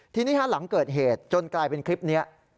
ทีนี้หลังเกิดเหตุจนกลายเป็นคลิปนี้